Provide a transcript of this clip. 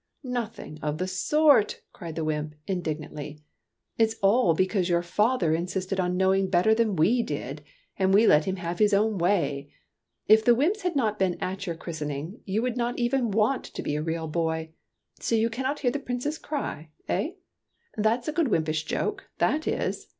" Nothing of the sort !" cried the wymp, indignantly. " It is all because your father insisted on knowing better than we did, and we let him have his own way. If the wymps had not been at your christening, you would not even wan^ to be a real boy. So you can not hear the Princess cry, eh ? That 's a good wympish joke, that is